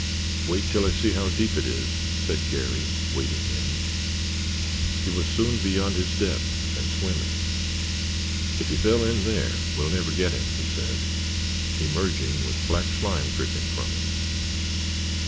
"Wait till I see how deep it is," said Garry, wading in. He was soon beyond his depth and swimming. "If he fell in there we'll never get him," he said, emerging with black slime dripping from him.